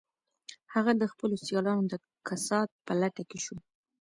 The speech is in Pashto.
هغه د خپلو سیالانو د کسات په لټه کې شو